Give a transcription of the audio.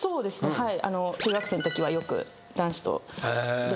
はい。